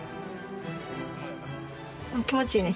気持ちいいね。